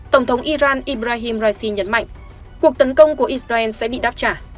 tổng thống iran ibrahim raisi nhấn mạnh cuộc tấn công của israel sẽ bị đáp trả